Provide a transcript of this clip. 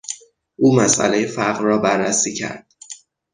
او مسئلهی فقر را بررسی کرد.